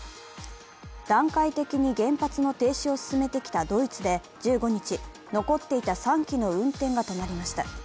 段階的に原発の停止を進めてきたドイツで１５日、残っていた３基の運転が止まりました。